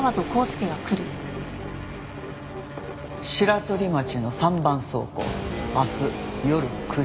白取町の３番倉庫明日夜９時。